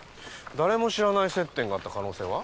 誰も知らない接点があった可能性は？